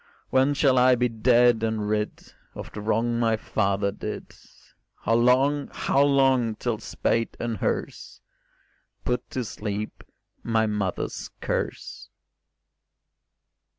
When shall I be dead and rid Of the wrong my father did? How long, how long, till spade and hearse Put to sleep my mother's curse?